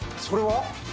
それは？